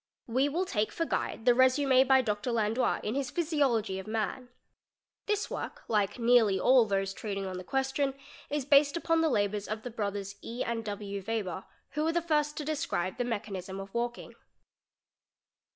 We will take for guide the resumé by Dr. Landois in his Physiology of Man. This work, like nearly all those treating on the / question, is based upon the labours of the brothers HZ. and W. Weber ®®), who were the first to describe the mechanism of walking.